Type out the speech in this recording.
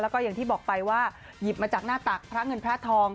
แล้วก็อย่างที่บอกไปว่าหยิบมาจากหน้าตักพระเงินพระทอง